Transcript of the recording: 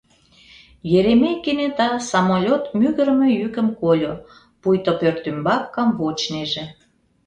Еремей кенета самолёт мӱгырымӧ йӱкым кольо, пуйто пӧрт ӱмбак камвочнеже.